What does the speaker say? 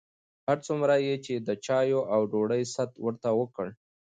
هر څومره یې چې د چایو او ډوډۍ ست ورته وکړ.